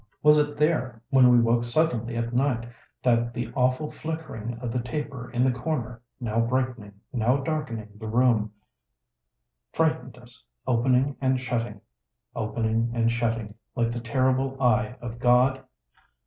Was it there, when we woke suddenly at night, that the awful flickering of the taper in the corner, now brightening, now darkening the room, frightened us, opening and shutting, opening and shut ting, like the terrible eye of God?